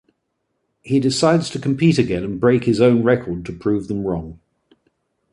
He decides to compete again and break his own record to prove them wrong.